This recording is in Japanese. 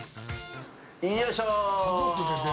よいしょー！